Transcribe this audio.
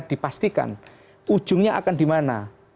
dipastikan ujungnya akan dimana